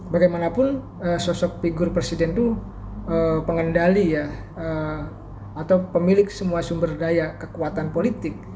bagaimanapun sosok figur presiden itu pengendali ya atau pemilik semua sumber daya kekuatan politik